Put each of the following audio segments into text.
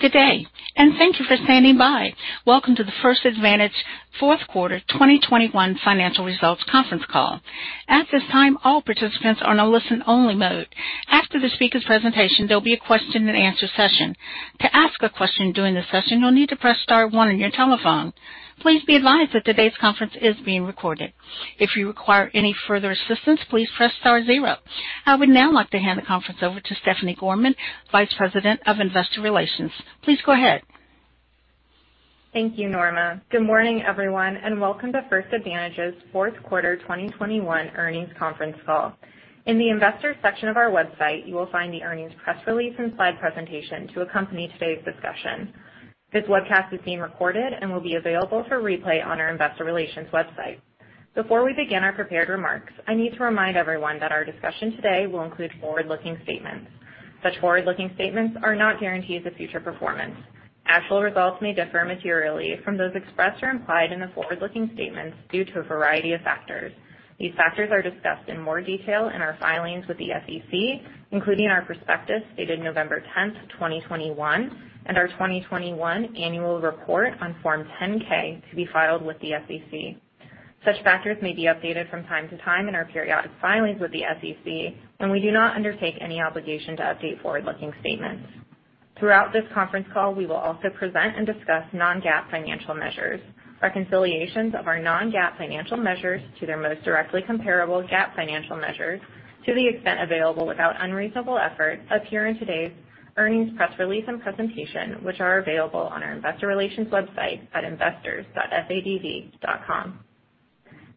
Good day, and thank you for standing by. Welcome to the First Advantage fourth quarter 2021 financial results conference call. At this time, all participants are in a listen-only mode. After the speaker's presentation, there'll be a question and answer session. To ask a question during the session, you'll need to press star one on your telephone. Please be advised that today's conference is being recorded. If you require any further assistance, please press star zero. I would now like to hand the conference over to Stephanie Gorman, Vice President of Investor Relations. Please go ahead. Thank you, Norma. Good morning, everyone, and welcome to First Advantage's fourth quarter 2021 earnings conference call. In the Investors section of our website, you will find the earnings press release and slide presentation to accompany today's discussion. This webcast is being recorded and will be available for replay on our investor relations website. Before we begin our prepared remarks, I need to remind everyone that our discussion today will include forward-looking statements. Such forward-looking statements are not guarantees of future performance. Actual results may differ materially from those expressed or implied in the forward-looking statements due to a variety of factors. These factors are discussed in more detail in our filings with the SEC, including our prospectus dated November 10, 2021 and our 2021 annual report on Form 10-K to be filed with the SEC. Such factors may be updated from time to time in our periodic filings with the SEC, and we do not undertake any obligation to update forward-looking statements. Throughout this conference call, we will also present and discuss non-GAAP financial measures. Reconciliations of our non-GAAP financial measures to their most directly comparable GAAP financial measures, to the extent available without unreasonable effort, appear in today's earnings press release and presentation, which are available on our investor relations website at investors.fadv.com.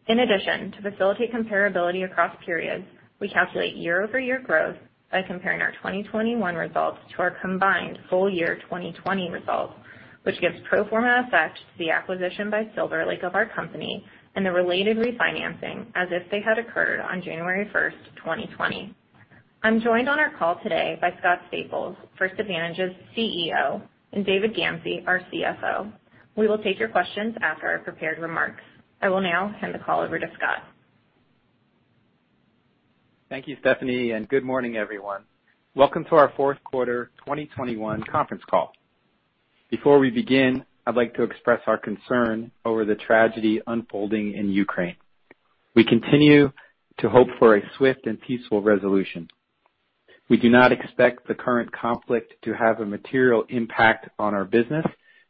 In addition, to facilitate comparability across periods, we calculate year-over-year growth by comparing our 2021 results to our combined full year 2020 results, which gives pro forma effect to the acquisition by Silver Lake of our company and the related refinancing as if they had occurred on January 1, 2020. I'm joined on our call today by Scott Staples, First Advantage's CEO, and David Gamsey, our CFO. We will take your questions after our prepared remarks. I will now hand the call over to Scott. Thank you, Stephanie, and good morning, everyone. Welcome to our fourth quarter 2021 conference call. Before we begin, I'd like to express our concern over the tragedy unfolding in Ukraine. We continue to hope for a swift and peaceful resolution. We do not expect the current conflict to have a material impact on our business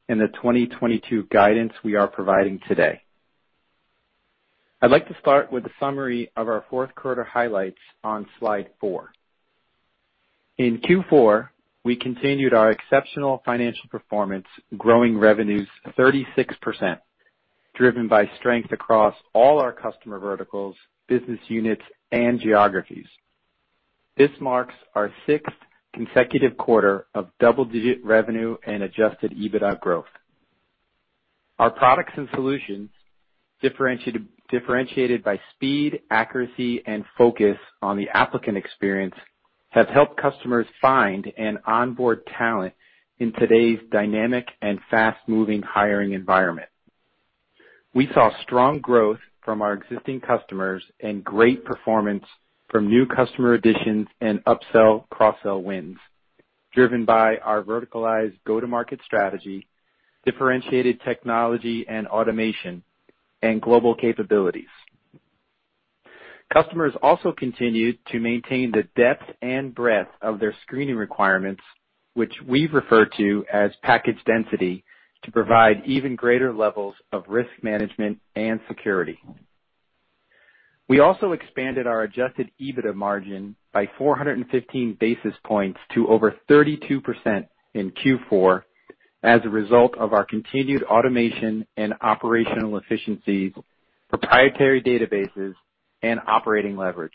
in the 2022 guidance we are providing today. I'd like to start with a summary of our fourth quarter highlights on slide four. In Q4, we continued our exceptional financial performance, growing revenues 36%, driven by strength across all our customer verticals, business units, and geographies. This marks our sixth consecutive quarter of double-digit revenue and adjusted EBITDA growth. Our products and solutions, differentiated by speed, accuracy, and focus on the applicant experience, have helped customers find and onboard talent in today's dynamic and fast-moving hiring environment. We saw strong growth from our existing customers and great performance from new customer additions and upsell, cross-sell wins driven by our verticalized go-to-market strategy, differentiated technology and automation, and global capabilities. Customers also continued to maintain the depth and breadth of their screening requirements, which we refer to as package density, to provide even greater levels of risk management and security. We also expanded our adjusted EBITDA margin by 415 basis points to over 32% in Q4 as a result of our continued automation and operational efficiencies, proprietary databases, and operating leverage.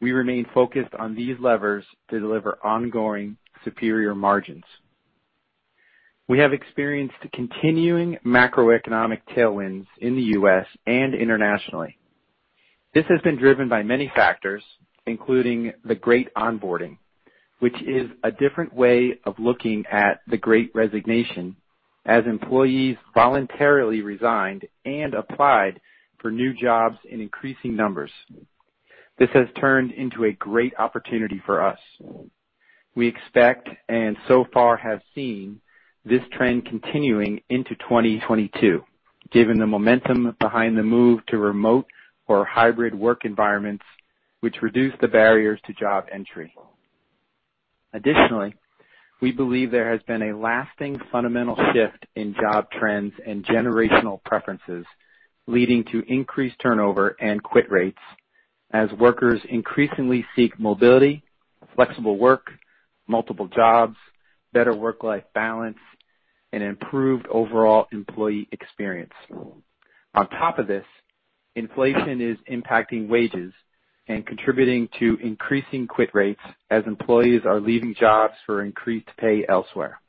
We remain focused on these levers to deliver ongoing superior margins. We have experienced continuing macroeconomic tailwinds in the U.S. and internationally. This has been driven by many factors, including the great onboarding, which is a different way of looking at the great resignation as employees voluntarily resigned and applied for new jobs in increasing numbers. This has turned into a great opportunity for us. We expect, and so far have seen this trend continuing into 2022, given the momentum behind the move to remote or hybrid work environments which reduce the barriers to job entry. Additionally, we believe there has been a lasting fundamental shift in job trends and generational preferences, leading to increased turnover and quit rates as workers increasingly seek mobility, flexible work, multiple jobs, better work-life balance, and improved overall employee experience. On top of this, inflation is impacting wages and contributing to increasing quit rates as employees are leaving jobs for increased pay elsewhere.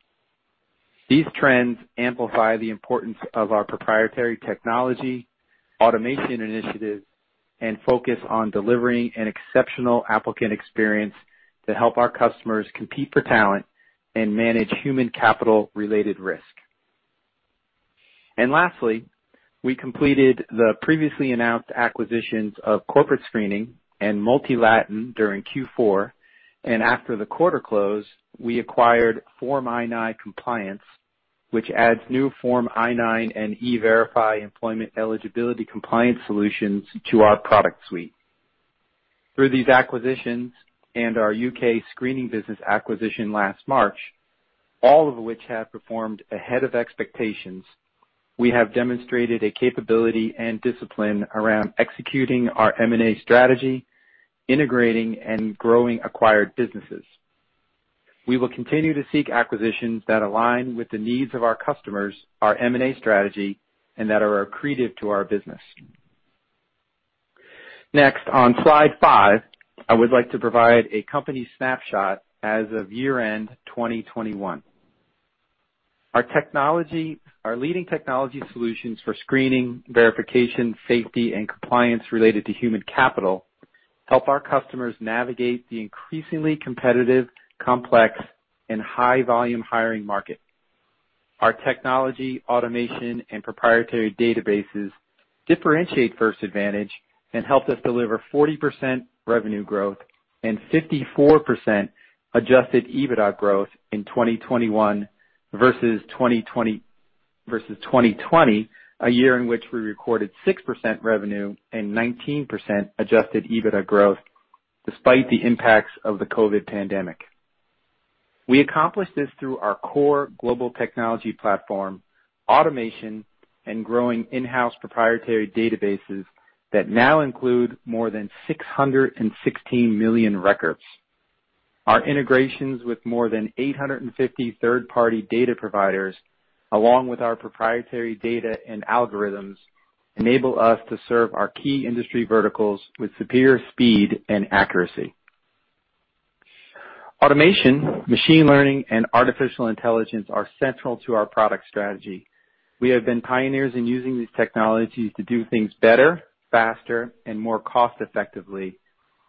These trends amplify the importance of our proprietary technology automation initiatives and focus on delivering an exceptional applicant experience to help our customers compete for talent and manage human capital-related risk. Lastly, we completed the previously announced acquisitions of Corporate Screening and MultiLatin during Q4. After the quarter close, we acquired Form I-9 Compliance, which adds new Form I-9 and E-Verify employment eligibility compliance solutions to our product suite. Through these acquisitions and our U.K. screening business acquisition last March, all of which have performed ahead of expectations, we have demonstrated a capability and discipline around executing our M&A strategy, integrating and growing acquired businesses. We will continue to seek acquisitions that align with the needs of our customers, our M&A strategy, and that are accretive to our business. Next, on slide five, I would like to provide a company snapshot as of year-end 2021. Our leading technology solutions for screening, verification, safety, and compliance related to human capital help our customers navigate the increasingly competitive, complex and high volume hiring market. Our technology, automation, and proprietary databases differentiate First Advantage and helped us deliver 40% revenue growth and 54% adjusted EBITDA growth in 2021 versus 2020, a year in which we recorded 6% revenue and 19% adjusted EBITDA growth despite the impacts of the COVID-19 pandemic. We accomplished this through our core global technology platform, automation and growing in-house proprietary databases that now include more than 616 million records. Our integrations with more than 850 third-party data providers, along with our proprietary data and algorithms, enable us to serve our key industry verticals with superior speed and accuracy. Automation, machine learning, and artificial intelligence are central to our product strategy. We have been pioneers in using these technologies to do things better, faster, and more cost effectively,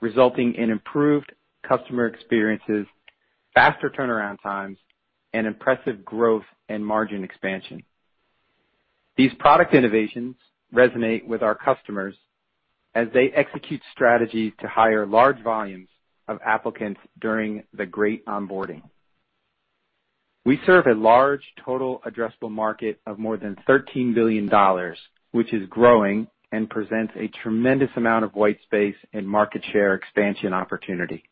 resulting in improved customer experiences, faster turnaround times, and impressive growth and margin expansion. These product innovations resonate with our customers as they execute strategies to hire large volumes of applicants during the great onboarding. We serve a large total addressable market of more than $13 billion, which is growing and presents a tremendous amount of white space and market share expansion opportunity.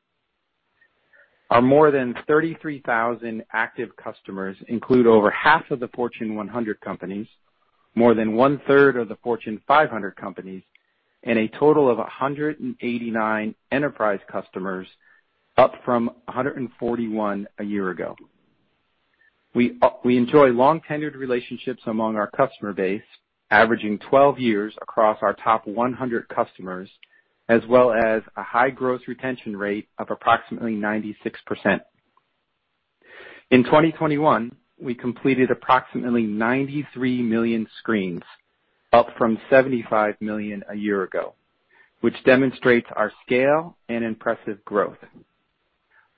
Our more than 33,000 active customers include over half of the Fortune 100 companies, more than one-third of the Fortune 500 companies, and a total of 189 enterprise customers, up from 141 a year ago. We enjoy long tenured relationships among our customer base, averaging 12 years across our top 100 customers, as well as a high growth retention rate of approximately 96%. In 2021, we completed approximately 93 million screens, up from 75 million a year ago, which demonstrates our scale and impressive growth.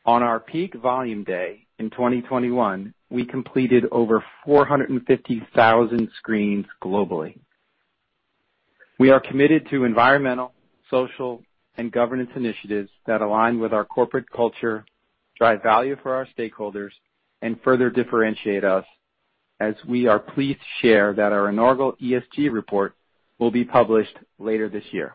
On our peak volume day in 2021, we completed over 450,000 screens globally. We are committed to environmental, social, and governance initiatives that align with our corporate culture, drive value for our stakeholders, and further differentiate us as we are pleased to share that our inaugural ESG report will be published later this year.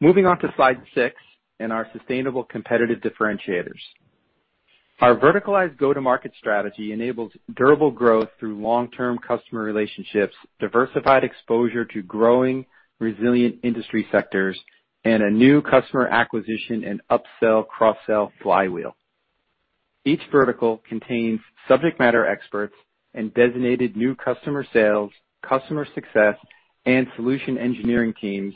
Moving on to slide six and our sustainable competitive differentiators. Our verticalized go-to-market strategy enables durable growth through long-term customer relationships, diversified exposure to growing resilient industry sectors, and a new customer acquisition and upsell, cross-sell flywheel. Each vertical contains subject matter experts and designated new customer sales, customer success, and solution engineering teams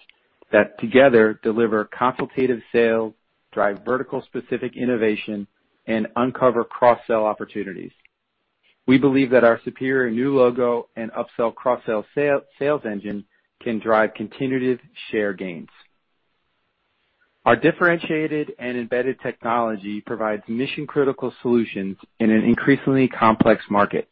that together deliver consultative sales, drive vertical specific innovation, and uncover cross-sell opportunities. We believe that our superior new logo and upsell, cross-sell sales engine can drive continued share gains. Our differentiated and embedded technology provides mission-critical solutions in an increasingly complex market.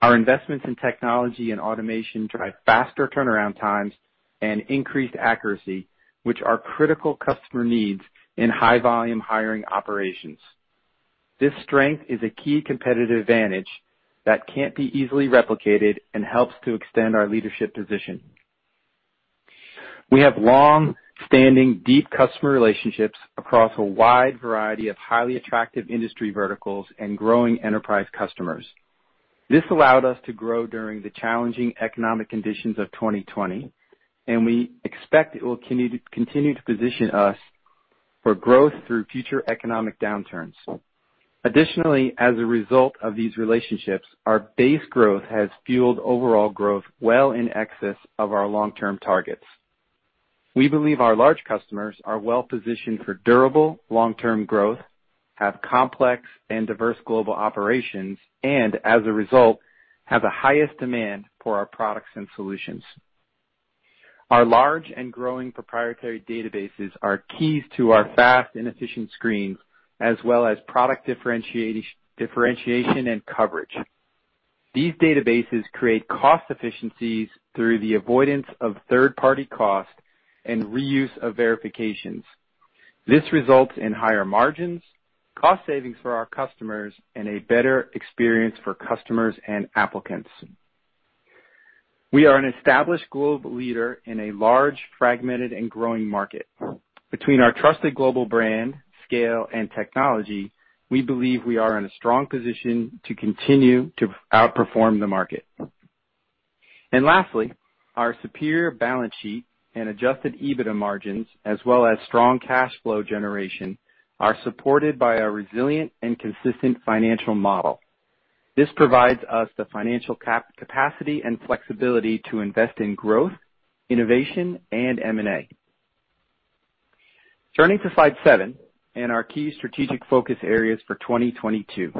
Our investments in technology and automation drive faster turnaround times and increased accuracy, which are critical customer needs in high volume hiring operations. This strength is a key competitive advantage that can't be easily replicated and helps to extend our leadership position. We have long-standing, deep customer relationships across a wide variety of highly attractive industry verticals and growing enterprise customers. This allowed us to grow during the challenging economic conditions of 2020, and we expect it will continue to position us for growth through future economic downturns. Additionally, as a result of these relationships, our base growth has fueled overall growth well in excess of our long-term targets. We believe our large customers are well positioned for durable long-term growth, have complex and diverse global operations, and as a result, have the highest demand for our products and solutions. Our large and growing proprietary databases are keys to our fast and efficient screens, as well as product differentiation and coverage. These databases create cost efficiencies through the avoidance of third-party costs and reuse of verifications. This results in higher margins, cost savings for our customers, and a better experience for customers and applicants. We are an established global leader in a large fragmented and growing market. Between our trusted global brand, scale, and technology, we believe we are in a strong position to continue to outperform the market. Lastly, our superior balance sheet and adjusted EBITDA margins as well as strong cash flow generation are supported by a resilient and consistent financial model. This provides us the financial capacity and flexibility to invest in growth, innovation, and M&A. Turning to slide seven and our key strategic focus areas for 2022.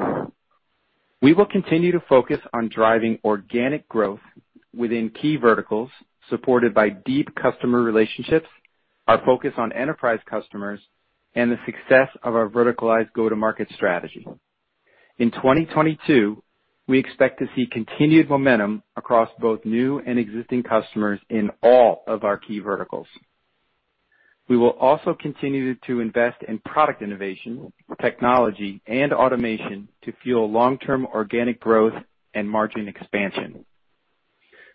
We will continue to focus on driving organic growth within key verticals supported by deep customer relationships, our focus on enterprise customers, and the success of our verticalized go-to-market strategy. In 2022, we expect to see continued momentum across both new and existing customers in all of our key verticals. We will also continue to invest in product innovation, technology, and automation to fuel long-term organic growth and margin expansion.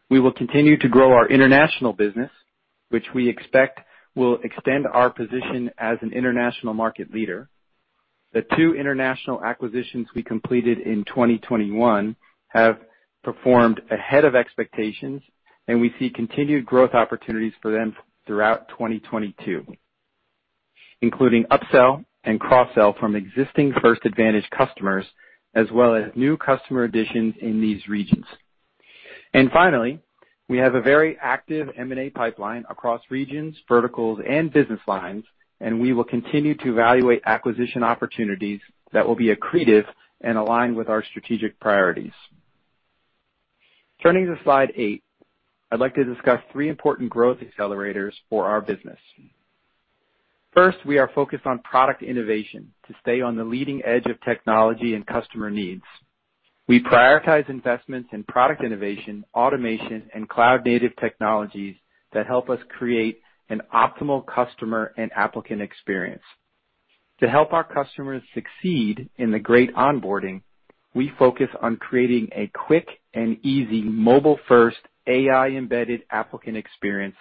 We will continue to grow our international business, which we expect will extend our position as an international market leader. The two international acquisitions we completed in 2021 have performed ahead of expectations, and we see continued growth opportunities for them throughout 2022, including upsell and cross-sell from existing First Advantage customers as well as new customer additions in these regions. Finally, we have a very active M&A pipeline across regions, verticals, and business lines, and we will continue to evaluate acquisition opportunities that will be accretive and aligned with our strategic priorities. Turning to slide eight, I'd like to discuss three important growth accelerators for our business. First, we are focused on product innovation to stay on the leading edge of technology and customer needs. We prioritize investments in product innovation, automation, and cloud-native technologies that help us create an optimal customer and applicant experience. To help our customers succeed in the great onboarding, we focus on creating a quick and easy mobile-first, AI-embedded applicant experience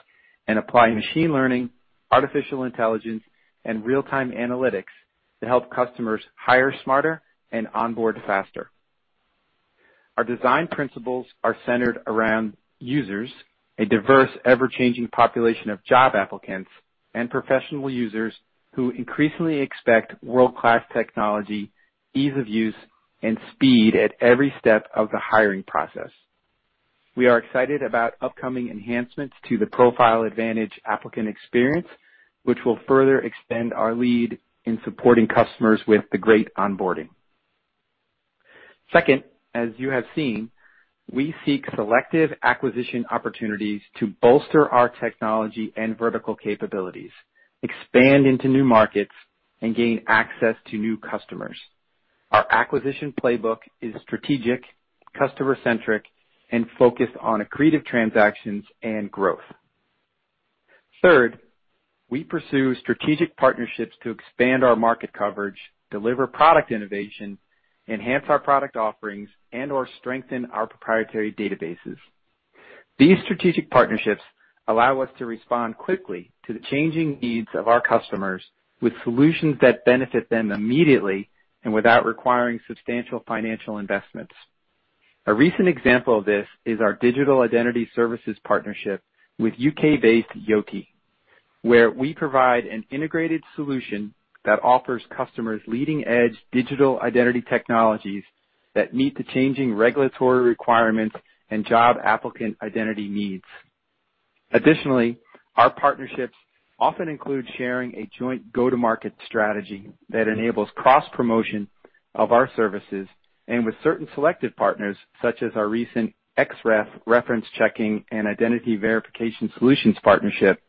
and apply machine learning, artificial intelligence, and real-time analytics to help customers hire smarter and onboard faster. Our design principles are centered around users, a diverse, ever-changing population of job applicants and professional users who increasingly expect world-class technology, ease of use, and speed at every step of the hiring process. We are excited about upcoming enhancements to the Profile Advantage applicant experience, which will further extend our lead in supporting customers with the great onboarding. Second, as you have seen, we seek selective acquisition opportunities to bolster our technology and vertical capabilities, expand into new markets, and gain access to new customers. Our acquisition playbook is strategic, customer-centric, and focused on accretive transactions and growth. Third, we pursue strategic partnerships to expand our market coverage, deliver product innovation, enhance our product offerings, and/or strengthen our proprietary databases. These strategic partnerships allow us to respond quickly to the changing needs of our customers with solutions that benefit them immediately and without requiring substantial financial investments. A recent example of this is our digital identity services partnership with U.K.-based Yoti, where we provide an integrated solution that offers customers leading-edge digital identity technologies that meet the changing regulatory requirements and job applicant identity needs. Additionally, our partnerships often include sharing a joint go-to-market strategy that enables cross-promotion of our services. With certain selected partners, such as our recent Xref reference checking and identity verification solutions partnership,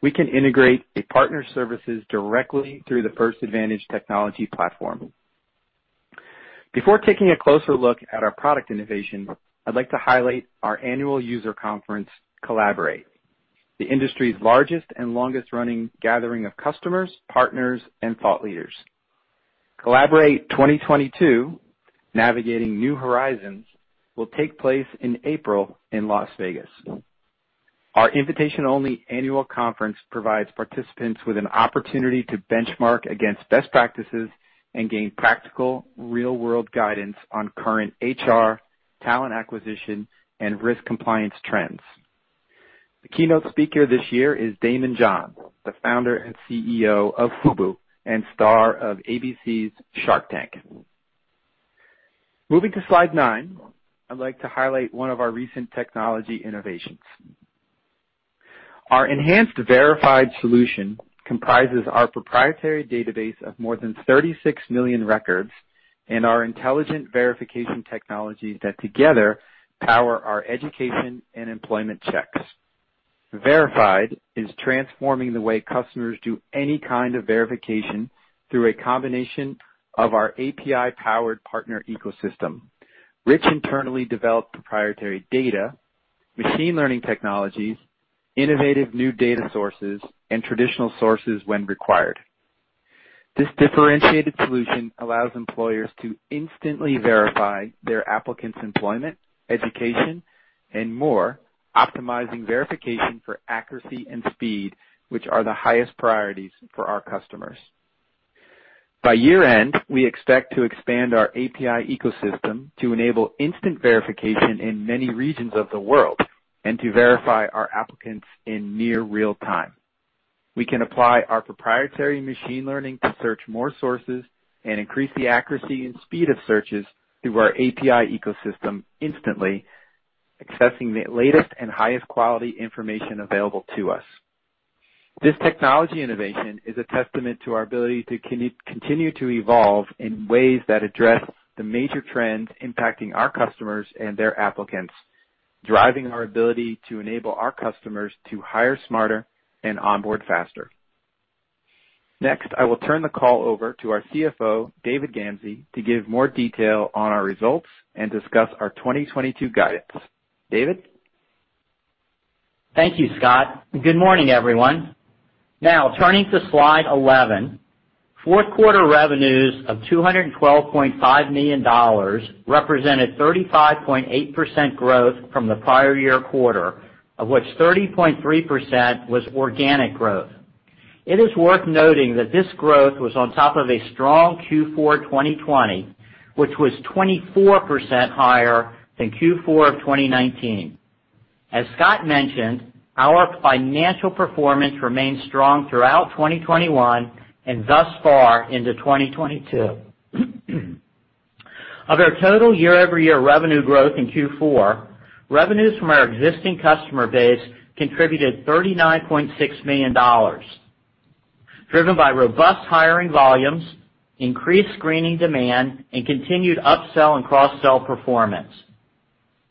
we can integrate a partner's services directly through the First Advantage technology platform. Before taking a closer look at our product innovation, I'd like to highlight our annual user conference, Collaborate, the industry's largest and longest-running gathering of customers, partners, and thought leaders. Collaborate 2022: Navigating New Horizons will take place in April in Las Vegas. Our invitation-only annual conference provides participants with an opportunity to benchmark against best practices and gain practical, real-world guidance on current HR, talent acquisition, and risk compliance trends. The keynote speaker this year is Daymond John, the founder and CEO of FUBU and star of ABC's Shark Tank. Moving to slide nine, I'd like to highlight one of our recent technology innovations. Our enhanced Verified! solution comprises our proprietary database of more than 36 million records and our intelligent verification technologies that together power our education and employment checks. Verified is transforming the way customers do any kind of verification through a combination of our API-powered partner ecosystem, rich internally developed proprietary data, machine learning technologies, innovative new data sources, and traditional sources when required. This differentiated solution allows employers to instantly verify their applicants' employment, education, and more, optimizing verification for accuracy and speed, which are the highest priorities for our customers. By year-end, we expect to expand our API ecosystem to enable instant verification in many regions of the world and to verify our applicants in near real-time. We can apply our proprietary machine learning to search more sources and increase the accuracy and speed of searches through our API ecosystem instantly, accessing the latest and highest quality information available to us. This technology innovation is a testament to our ability to continue to evolve in ways that address the major trends impacting our customers and their applicants, driving our ability to enable our customers to hire smarter and onboard faster. Next, I will turn the call over to our CFO, David Gamsey, to give more detail on our results and discuss our 2022 guidance. David? Thank you, Scott. Good morning, everyone. Now, turning to slide 11, fourth quarter revenues of $212.5 million represented 35.8% growth from the prior year quarter, of which 30.3% was organic growth. It is worth noting that this growth was on top of a strong Q4 2020, which was 24% higher than Q4 of 2019. As Scott mentioned, our financial performance remained strong throughout 2021 and thus far into 2022. Of our total year-over-year revenue growth in Q4, revenues from our existing customer base contributed $39.6 million, driven by robust hiring volumes, increased screening demand, and continued upsell and cross-sell performance.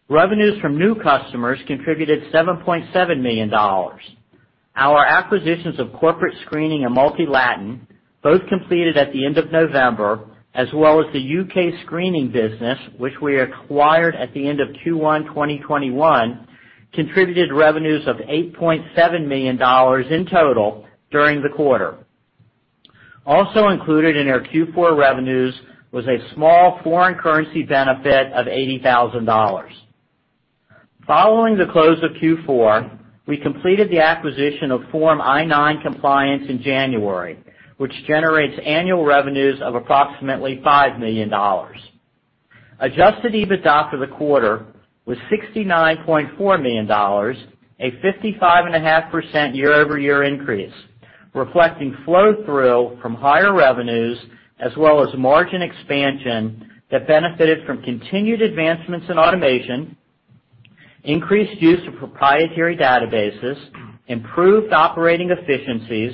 Revenues from new customers contributed $7.7 million. Our acquisitions of Corporate Screening and MultiLatin, both completed at the end of November, as well as the UK screening business which we acquired at the end of Q1 2021, contributed revenues of $8.7 million in total during the quarter. Also included in our Q4 revenues was a small foreign currency benefit of $80,000. Following the close of Q4, we completed the acquisition of Form I-9 Compliance in January, which generates annual revenues of approximately $5 million. Adjusted EBITDA for the quarter was $69.4 million, a 55.5% year-over-year increase, reflecting flow-through from higher revenues as well as margin expansion that benefited from continued advancements in automation, increased use of proprietary databases, improved operating efficiencies,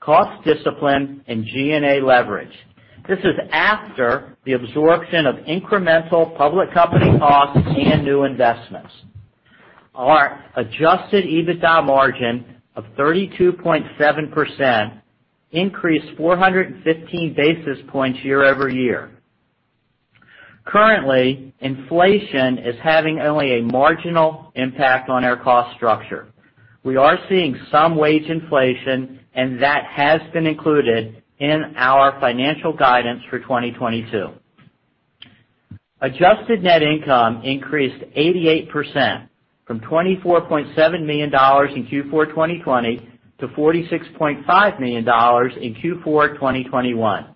cost discipline, and G&A leverage. This is after the absorption of incremental public company costs and new investments. Our adjusted EBITDA margin of 32.7% increased 415 basis points year-over-year. Currently, inflation is having only a marginal impact on our cost structure. We are seeing some wage inflation, and that has been included in our financial guidance for 2022. Adjusted net income increased 88% from $24.7 million in Q4 2020 to $46.5 million in Q4 2021.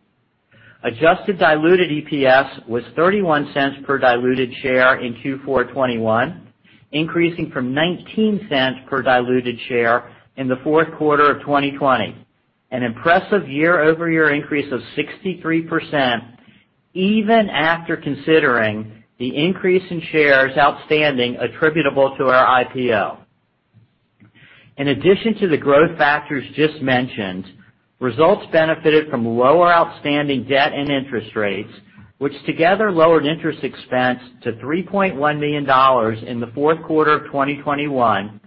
Adjusted diluted EPS was $0.31 per diluted share in Q4 2021, increasing from $0.19 per diluted share in the fourth quarter of 2020, an impressive year-over-year increase of 63% even after considering the increase in shares outstanding attributable to our IPO. In addition to the growth factors just mentioned, results benefited from lower outstanding debt and interest rates, which together lowered interest expense to $3.1 million in the fourth quarter of 2021,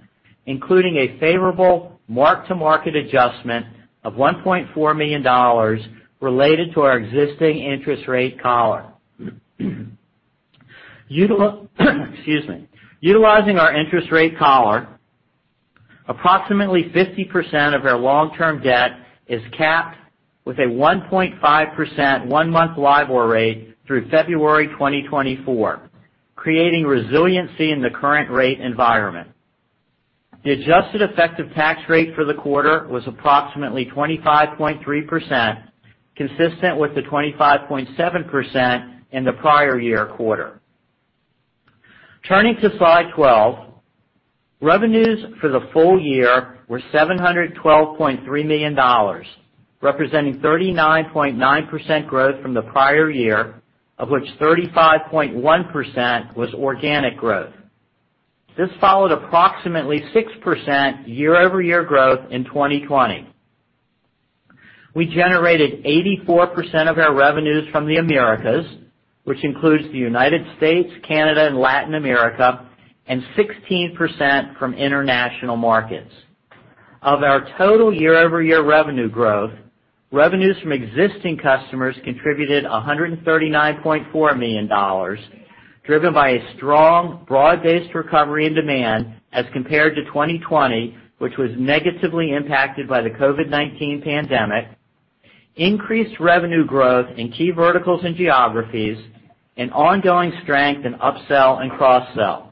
including a favorable mark-to-market adjustment of $1.4 million related to our existing interest rate collar. Utilizing our interest rate collar, approximately 50% of our long-term debt is capped with a 1.5% one-month LIBOR rate through February 2024, creating resiliency in the current rate environment. The adjusted effective tax rate for the quarter was approximately 25.3%, consistent with the 25.7% in the prior year quarter. Turning to slide 12. Revenues for the full year were $712.3 million, representing 39.9% growth from the prior year, of which 35.1% was organic growth. This followed approximately 6% year-over-year growth in 2020. We generated 84% of our revenues from the Americas, which includes the United States, Canada, and Latin America, and 16% from international markets. Of our total year-over-year revenue growth, revenues from existing customers contributed $139.4 million, driven by a strong broad-based recovery in demand as compared to 2020, which was negatively impacted by the COVID-19 pandemic, increased revenue growth in key verticals and geographies, and ongoing strength in upsell and cross-sell.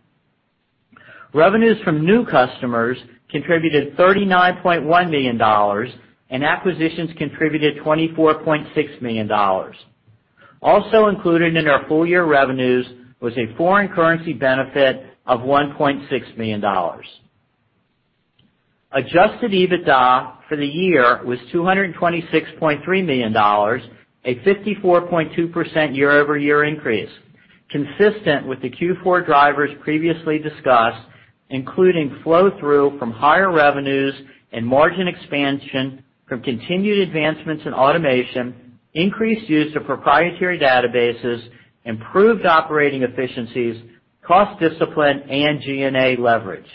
Revenues from new customers contributed $39.1 million, and acquisitions contributed $24.6 million. Also included in our full year revenues was a foreign currency benefit of $1.6 million. Adjusted EBITDA for the year was $226.3 million to 54.2% year-over-year increase, consistent with the Q4 drivers previously discussed, including flow-through from higher revenues and margin expansion from continued advancements in automation, increased use of proprietary databases, improved operating efficiencies, cost discipline, and G&A leverage.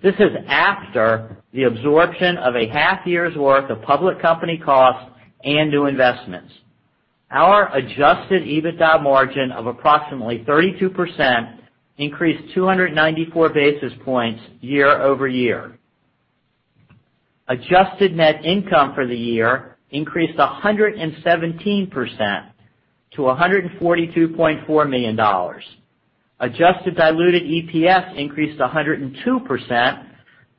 This is after the absorption of a half year's worth of public company costs and new investments. Our adjusted EBITDA margin of approximately 32% increased 294 basis points year-over-year. Adjusted net income for the year increased 117% to $142.4 million. Adjusted diluted EPS increased 102%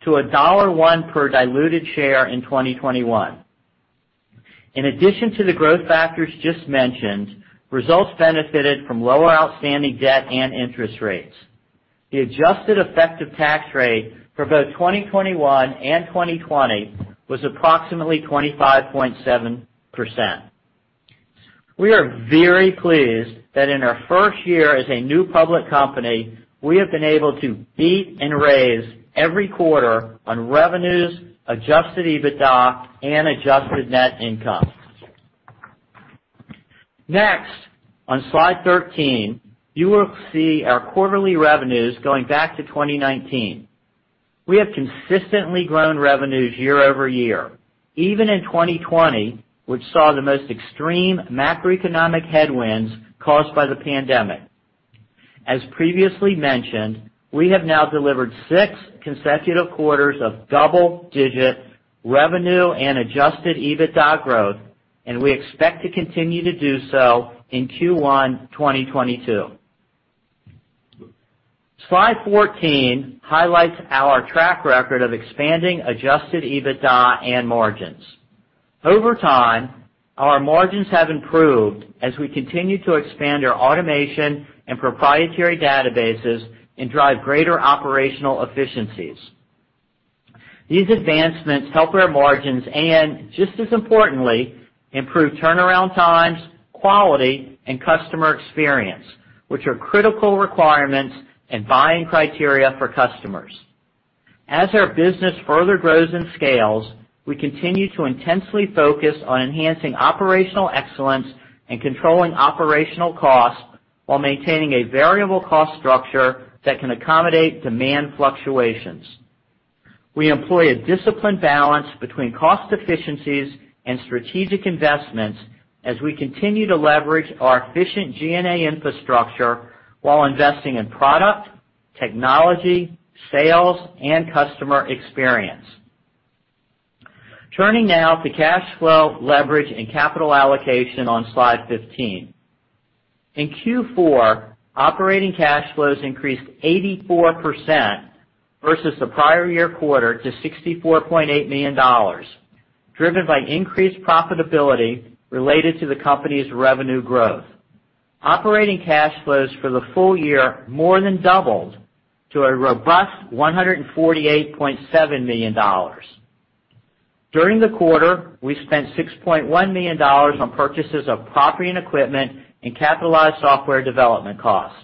to $1.01 per diluted share in 2021. In addition to the growth factors just mentioned, results benefited from lower outstanding debt and interest rates. The adjusted effective tax rate for both 2021 and 2020 was approximately 25.7%. We are very pleased that in our first year as a new public company, we have been able to beat and raise every quarter on revenues, adjusted EBITDA and adjusted net income. Next, on slide 13, you will see our quarterly revenues going back to 2019. We have consistently grown revenues year-over-year, even in 2020, which saw the most extreme macroeconomic headwinds caused by the pandemic. As previously mentioned, we have now delivered six consecutive quarters of double-digit revenue and adjusted EBITDA growth, and we expect to continue to do so in Q1 2022. Slide 14 highlights our track record of expanding adjusted EBITDA and margins. Over time, our margins have improved as we continue to expand our automation and proprietary databases and drive greater operational efficiencies. These advancements help our margins and, just as importantly, improve turnaround times, quality, and customer experience, which are critical requirements and buying criteria for customers. As our business further grows and scales, we continue to intensely focus on enhancing operational excellence and controlling operational costs while maintaining a variable cost structure that can accommodate demand fluctuations. We employ a disciplined balance between cost efficiencies and strategic investments as we continue to leverage our efficient G&A infrastructure while investing in product, technology, sales, and customer experience. Turning now to cash flow leverage and capital allocation on slide 15. In Q4, operating cash flows increased 84% versus the prior year quarter to $64.8 million, driven by increased profitability related to the company's revenue growth. Operating cash flows for the full year more than doubled to a robust $148.7 million. During the quarter, we spent $6.1 million on purchases of property and equipment and capitalized software development costs.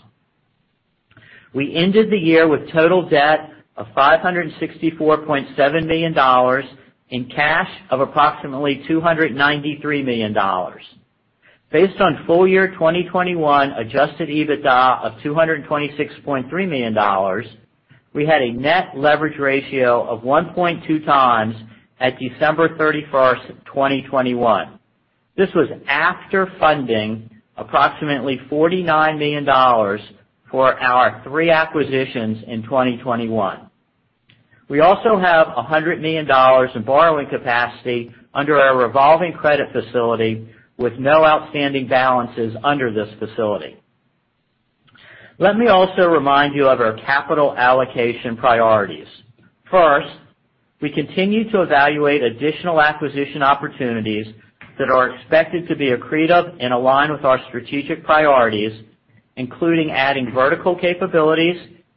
We ended the year with total debt of $564.7 million and cash of approximately $293 million. Based on full year 2021 adjusted EBITDA of $226.3 million, we had a net leverage ratio of 1.2 times at December 31, 2021. This was after funding approximately $49 million for our three acquisitions in 2021. We also have $100 million in borrowing capacity under our revolving credit facility with no outstanding balances under this facility. Let me also remind you of our capital allocation priorities. First, we continue to evaluate additional acquisition opportunities that are expected to be accretive and align with our strategic priorities, including adding vertical capabilities,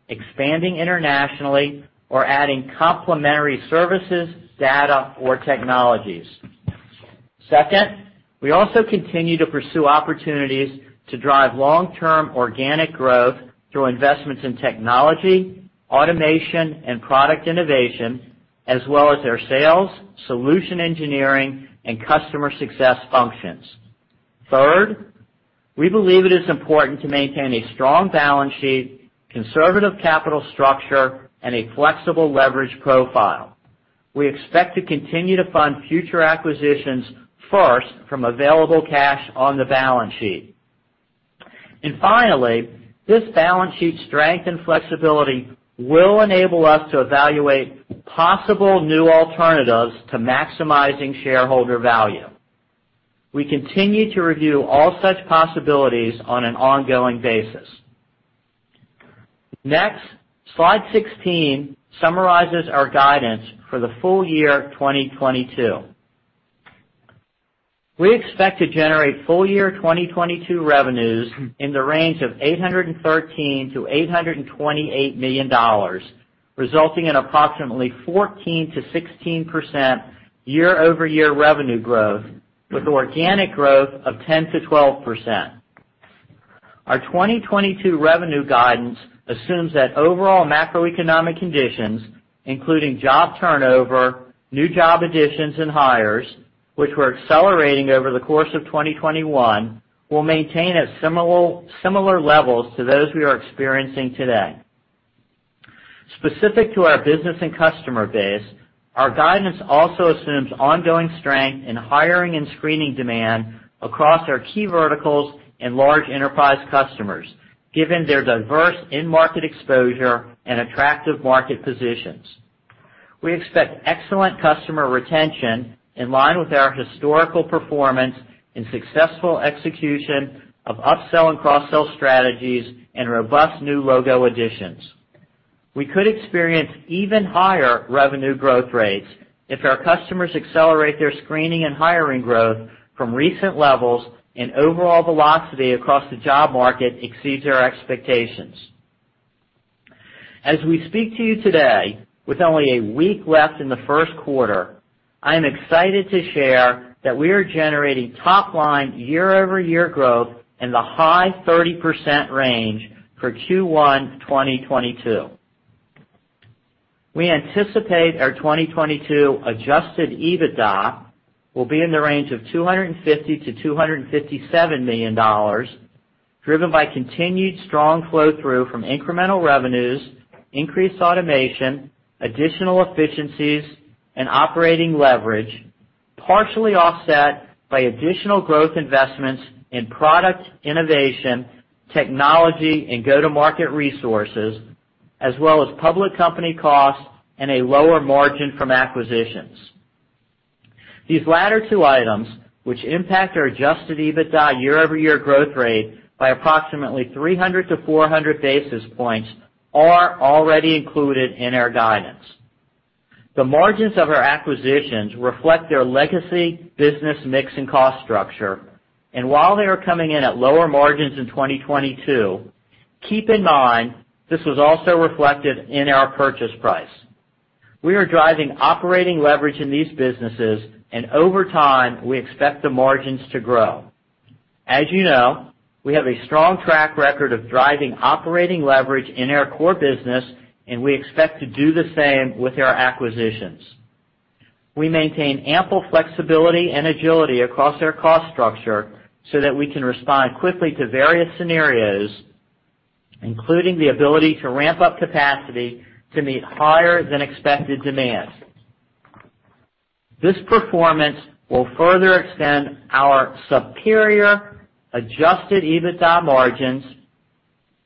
expanding internationally, or adding complementary services, data or technologies. Second, we also continue to pursue opportunities to drive long-term organic growth through investments in technology, automation, and product innovation, as well as our sales, solution engineering, and customer success functions. Third, we believe it is important to maintain a strong balance sheet, conservative capital structure, and a flexible leverage profile. We expect to continue to fund future acquisitions first from available cash on the balance sheet. Finally, this balance sheet strength and flexibility will enable us to evaluate possible new alternatives to maximizing shareholder value. We continue to review all such possibilities on an ongoing basis. Next, slide 16 summarizes our guidance for the full year 2022. We expect to generate full year 2022 revenues in the range of $813 million-$828 million, resulting in approximately 14%-16% year-over-year revenue growth with organic growth of 10%-12%. Our 2022 revenue guidance assumes that overall macroeconomic conditions, including job turnover, new job additions and hires, which were accelerating over the course of 2021, will maintain similar levels to those we are experiencing today. Specific to our business and customer base, our guidance also assumes ongoing strength in hiring and screening demand across our key verticals and large enterprise customers, given their diverse end market exposure and attractive market positions. We expect excellent customer retention in line with our historical performance in successful execution of up-sell and cross-sell strategies and robust new logo additions. We could experience even higher revenue growth rates if our customers accelerate their screening and hiring growth from recent levels and overall velocity across the job market exceeds our expectations. As we speak to you today, with only a week left in the first quarter, I am excited to share that we are generating top line year-over-year growth in the high 30% range for Q1 2022. We anticipate our 2022 adjusted EBITDA will be in the range of $250 million-$257 million, driven by continued strong flow-through from incremental revenues, increased automation, additional efficiencies and operating leverage, partially offset by additional growth investments in product innovation, technology, and go-to-market resources, as well as public company costs and a lower margin from acquisitions. These latter two items, which impact our adjusted EBITDA year-over-year growth rate by approximately 300-400 basis points, are already included in our guidance. The margins of our acquisitions reflect their legacy business mix and cost structure, and while they are coming in at lower margins in 2022, keep in mind this was also reflected in our purchase price. We are driving operating leverage in these businesses and over time, we expect the margins to grow. As you know, we have a strong track record of driving operating leverage in our core business, and we expect to do the same with our acquisitions. We maintain ample flexibility and agility across our cost structure so that we can respond quickly to various scenarios, including the ability to ramp up capacity to meet higher than expected demand. This performance will further extend our superior adjusted EBITDA margins,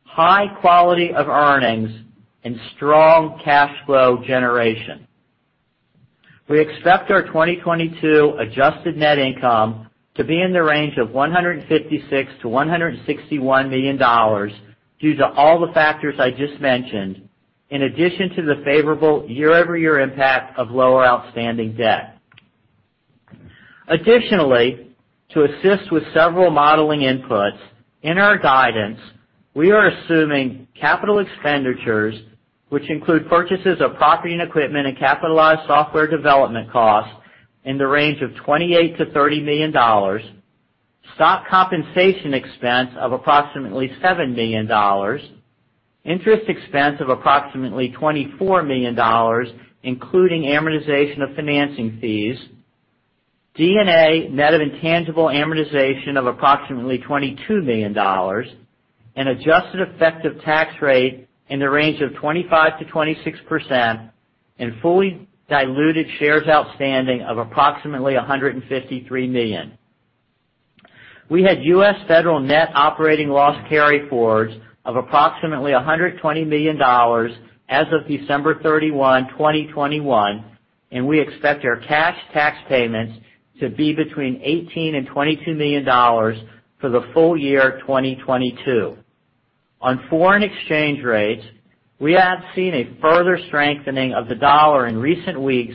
high quality of earnings, and strong cash flow generation. We expect our 2022 adjusted net income to be in the range of $156 million-$161 million due to all the factors I just mentioned, in addition to the favorable year-over-year impact of lower outstanding debt. Additionally, to assist with several modeling inputs in our guidance, we are assuming capital expenditures, which include purchases of property and equipment and capitalized software development costs in the range of $28 million-$30 million, stock compensation expense of approximately $7 million, interest expense of approximately $24 million, including amortization of financing fees, D&A net of intangible amortization of approximately $22 million, an adjusted effective tax rate in the range of 25%-26%, and fully diluted shares outstanding of approximately 153 million. We had U.S. federal net operating loss carryforwards of approximately $120 million as of December 31, 2021, and we expect our cash tax payments to be between $18 million and $22 million for the full year 2022. On foreign exchange rates, we have seen a further strengthening of the dollar in recent weeks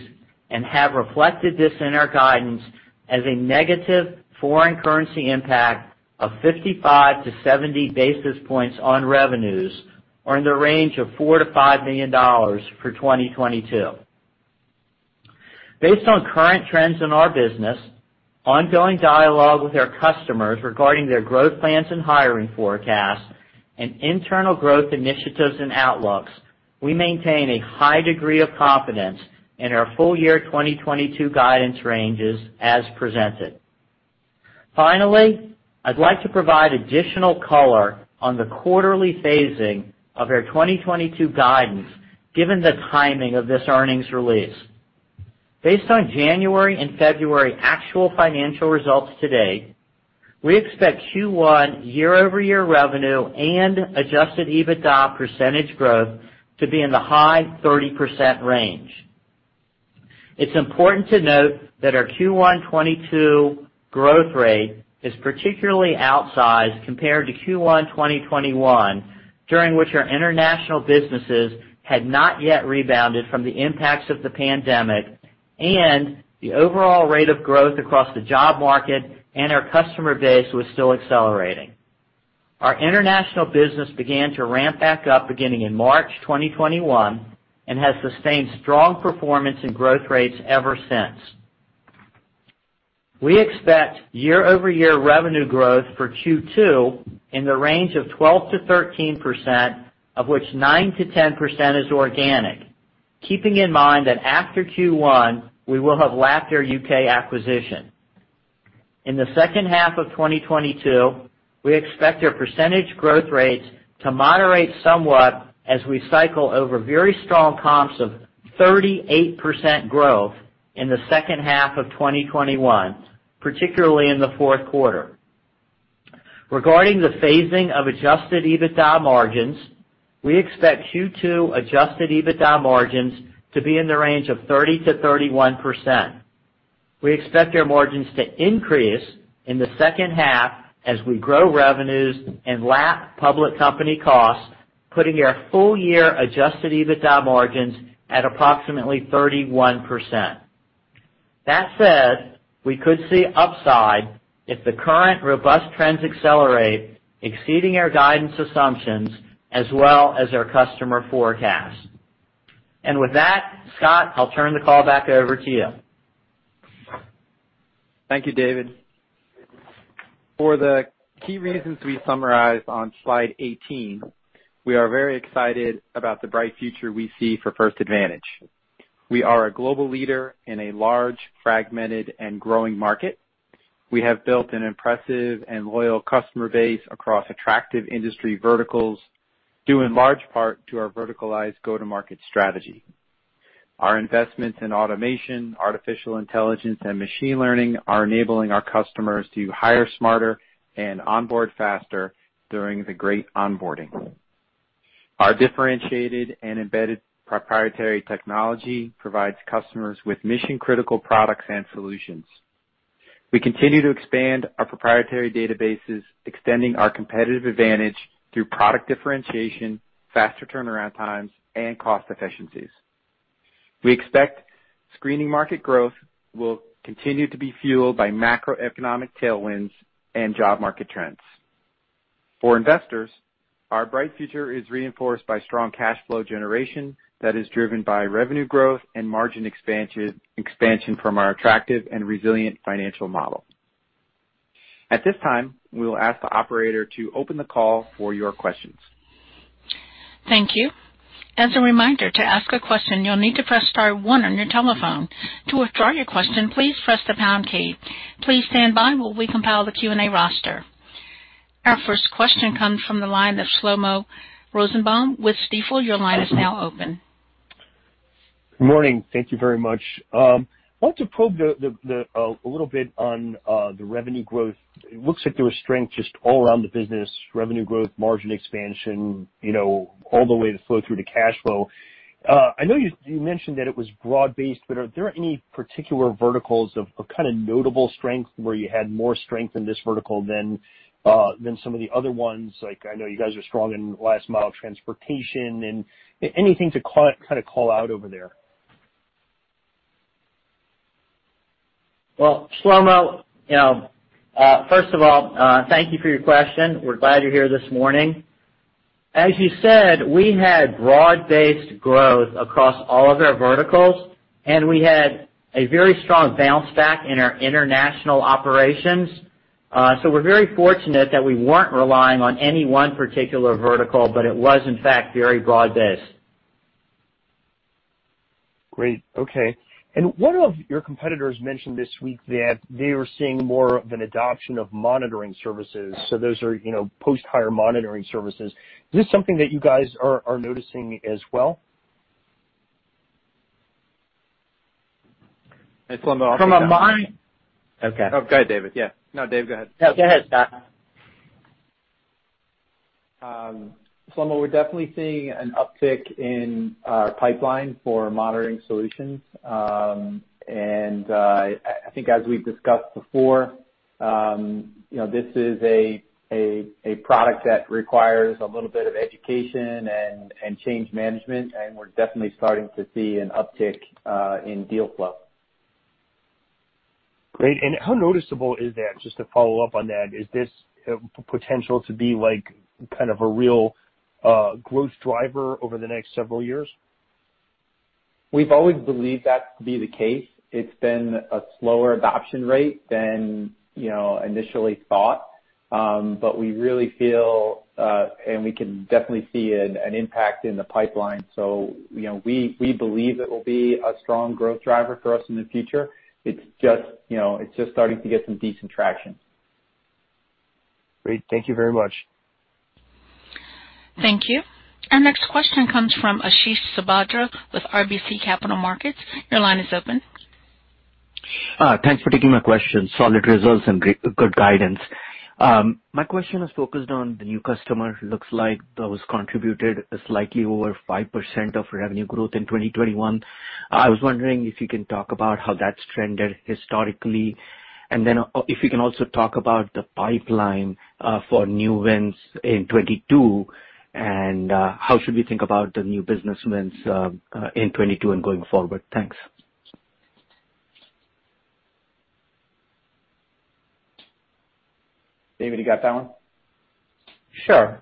and have reflected this in our guidance as a negative foreign currency impact of 55-70 basis points on revenues. Are in the range of $4 million-$5 million for 2022. Based on current trends in our business, ongoing dialogue with our customers regarding their growth plans and hiring forecasts, and internal growth initiatives and outlooks, we maintain a high degree of confidence in our full-year 2022 guidance ranges as presented. Finally, I'd like to provide additional color on the quarterly phasing of our 2022 guidance given the timing of this earnings release. Based on January and February actual financial results to date, we expect Q1 year-over-year revenue and adjusted EBITDA percentage growth to be in the high 30% range. It's important to note that our Q1 2022 growth rate is particularly outsized compared to Q1 2021, during which our international businesses had not yet rebounded from the impacts of the pandemic and the overall rate of growth across the job market and our customer base was still accelerating. Our international business began to ramp back up beginning in March 2021 and has sustained strong performance and growth rates ever since. We expect year-over-year revenue growth for Q2 in the range of 12%-13%, of which 9%-10% is organic. Keeping in mind that after Q1, we will have lapped our U.K. acquisition. In the second half of 2022, we expect our percentage growth rates to moderate somewhat as we cycle over very strong comps of 38% growth in the second half of 2021, particularly in the fourth quarter. Regarding the phasing of adjusted EBITDA margins, we expect Q2 adjusted EBITDA margins to be in the range of 30%-31%. We expect our margins to increase in the second half as we grow revenues and lap public company costs, putting our full-year adjusted EBITDA margins at approximately 31%. That said, we could see upside if the current robust trends accelerate, exceeding our guidance assumptions as well as our customer forecasts. With that, Scott, I'll turn the call back over to you. Thank you, David. For the key reasons we summarized on slide 18, we are very excited about the bright future we see for First Advantage. We are a global leader in a large, fragmented, and growing market. We have built an impressive and loyal customer base across attractive industry verticals, due in large part to our verticalized go-to-market strategy. Our investments in automation, artificial intelligence, and machine learning are enabling our customers to hire smarter and onboard faster during the great onboarding. Our differentiated and embedded proprietary technology provides customers with mission-critical products and solutions. We continue to expand our proprietary databases, extending our competitive advantage through product differentiation, faster turnaround times, and cost efficiencies. We expect screening market growth will continue to be fueled by macroeconomic tailwinds and job market trends. For investors, our bright future is reinforced by strong cash flow generation that is driven by revenue growth and margin expansion from our attractive and resilient financial model. At this time, we will ask the operator to open the call for your questions. Thank you. As a reminder, to ask a question, you'll need to press star one on your telephone. To withdraw your question, please press the pound key. Please stand by while we compile the Q&A roster. Our first question comes from the line of Shlomo Rosenbaum with Stifel. Your line is now open. Good morning. Thank you very much. I want to probe a little bit on the revenue growth. It looks like there was strength just all around the business, revenue growth, margin expansion, you know, all the way to flow through to cash flow. I know you mentioned that it was broad-based, but are there any particular verticals of kind of notable strength where you had more strength in this vertical than some of the other ones? Like, I know you guys are strong in last mile transportation and anything to kind of call out over there? Well, Shlomo, you know, first of all, thank you for your question. We're glad you're here this morning. As you said, we had broad-based growth across all of our verticals, and we had a very strong bounce back in our international operations. We're very fortunate that we weren't relying on any one particular vertical, but it was in fact very broad-based. Great. Okay. One of your competitors mentioned this week that they were seeing more of an adoption of monitoring services. Those are, you know, post-hire monitoring services. Is this something that you guys are noticing as well? Hey, Shlomo. I'll take that. Okay. Oh, go ahead, David. Yeah. No, Dave, go ahead. No, go ahead, Scott. Shlomo, we're definitely seeing an uptick in our pipeline for monitoring solutions. I think as we've discussed before, you know, this is a product that requires a little bit of education and change management, and we're definitely starting to see an uptick in deal flow. Great. How noticeable is that? Just to follow up on that, is this potential to be like kind of a real growth driver over the next several years? We've always believed that to be the case. It's been a slower adoption rate than, you know, initially thought. We really feel and we can definitely see an impact in the pipeline. You know, we believe it will be a strong growth driver for us in the future. It's just, you know, it's just starting to get some decent traction. Great. Thank you very much. Thank you. Our next question comes from Ashish Sabadra with RBC Capital Markets. Your line is open. Thanks for taking my question. Solid results and good guidance. My question is focused on the new customer. Looks like those contributed slightly over 5% of revenue growth in 2021. I was wondering if you can talk about how that's trended historically, and then, if you can also talk about the pipeline for new wins in 2022, and, how should we think about the new business wins, in 2022 and going forward? Thanks. David, you got that one? Sure.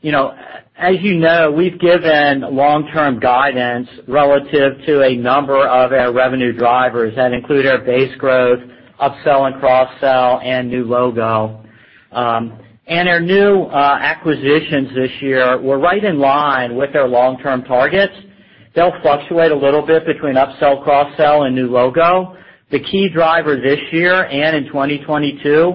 You know, as you know, we've given long-term guidance relative to a number of our revenue drivers. That include our base growth, upsell and cross-sell, and new logo. Our new acquisitions this year were right in line with our long-term targets. They'll fluctuate a little bit between upsell, cross-sell, and new logo. The key driver this year and in 2022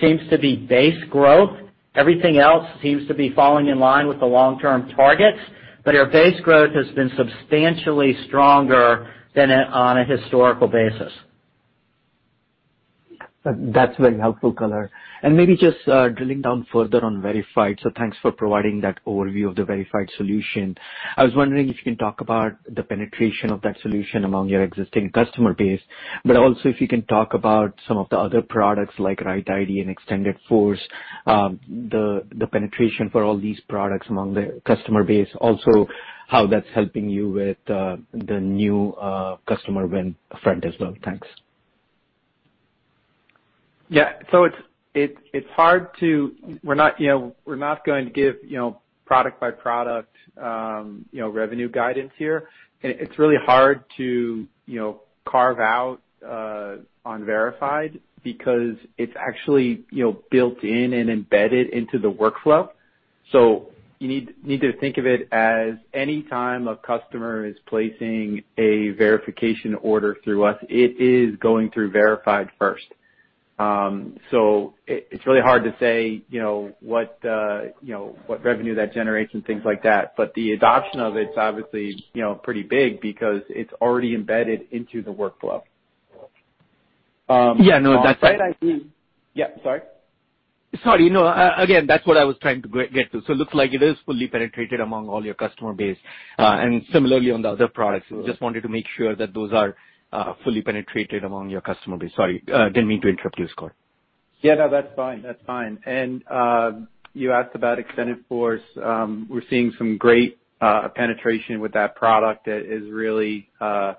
seems to be base growth. Everything else seems to be falling in line with the long-term targets. Our base growth has been substantially stronger than on a historical basis. That's very helpful color. Maybe just drilling down further on Verified. Thanks for providing that overview of the Verified solution. I was wondering if you can talk about the penetration of that solution among your existing customer base, but also if you can talk about some of the other products like RightID and XtdForce, the penetration for all these products among the customer base, also, how that's helping you with the new customer win front as well. Thanks. Yeah. We're not, you know, going to give, you know, product by product, you know, revenue guidance here. It's really hard to, you know, carve out on Verified! because it's actually, you know, built in and embedded into the workflow. You need to think of it as any time a customer is placing a verification order through us, it is going through Verified! first. It's really hard to say, you know, what, you know, what revenue that generates and things like that. The adoption of it's obviously, you know, pretty big because it's already embedded into the workflow. Yeah, no, that's right. Yeah. Sorry? Sorry. No. Again, that's what I was trying to get to. It looks like it is fully penetrated among all your customer base, and similarly on the other products. Just wanted to make sure that those are fully penetrated among your customer base. Sorry, didn't mean to interrupt you, Scott. Yeah, no, that's fine. That's fine. You asked about XtdForce. We're seeing some great penetration with that product. We're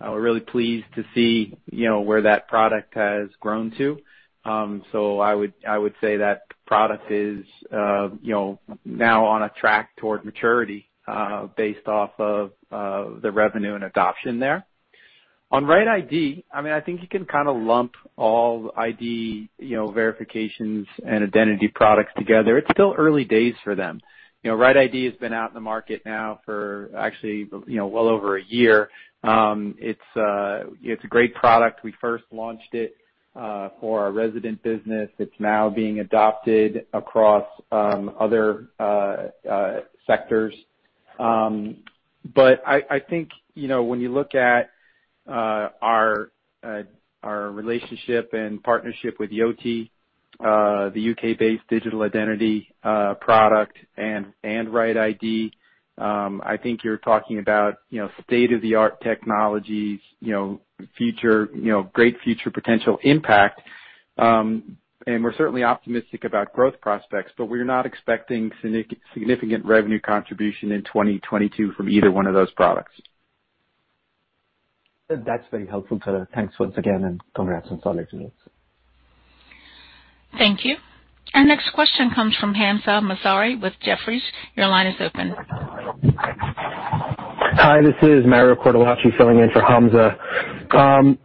really pleased to see, you know, where that product has grown to. I would say that product is, you know, now on a track toward maturity, based off of the revenue and adoption there. On RightID, I mean, I think you can kind of lump all ID, you know, verifications and identity products together. It's still early days for them. You know, RightID has been out in the market now for actually, you know, well over a year. It's a great product. We first launched it for our resident business. It's now being adopted across other sectors. I think, you know, when you look at our relationship and partnership with Yoti, the U.K.-based digital identity product and RightID, I think you're talking about, you know, state-of-the-art technologies, you know, future, you know, great future potential impact. We're certainly optimistic about growth prospects, but we're not expecting significant revenue contribution in 2022 from either one of those products. That's very helpful, Scott. Thanks once again, and congrats on solid results. Thank you. Our next question comes from Hamzah Mazari with Jefferies. Your line is open. Hi, this is Mario Cortellacci filling in for Hamzah.